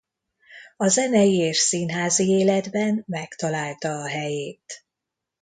A zenei és színházi életben megtalálta a helyét.